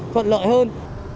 thuận lợi hơn